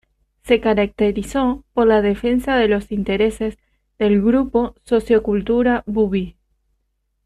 Se caracterizó por la defensa de los intereses del grupo sociocultural bubi.